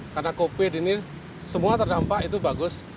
karena covid ini semua terdampak itu bagus